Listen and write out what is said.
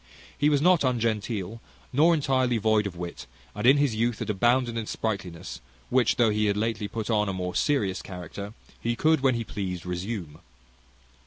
He was not ungenteel, nor entirely devoid of wit, and in his youth had abounded in sprightliness, which, though he had lately put on a more serious character, he could, when he pleased, resume.